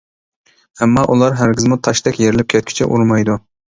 ئەمما ئۇلار ھەرگىزمۇ تەشتەك يېرىلىپ كەتكۈچە ئۇرمايدۇ.